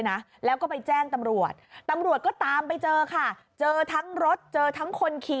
อ้าวเบิ่งเบิ่ง